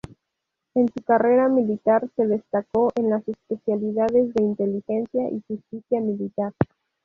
En su carrera militar se destacó en las especialidades de Inteligencia y Justicia Militar.